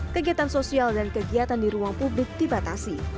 kegiatan sosial dan kegiatan di ruang publik dibatasi